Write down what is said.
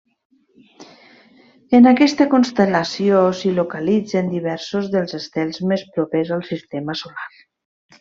En aquesta constel·lació s'hi localitzen diversos dels estels més propers al sistema solar.